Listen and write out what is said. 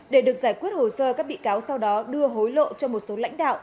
để được giải quyết hồ sơ các bị cáo sau đó đưa hối lộ cho một số lãnh đạo